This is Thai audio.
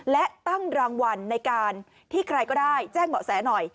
และตั้งรางวัลในการที่ใครก็ได้แจ้งเหมาะแสหน่อย